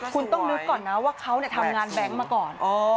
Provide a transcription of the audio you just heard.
คุณต้องนึกก่อนนะว่าเขาทำงานแบงค์มาก่อน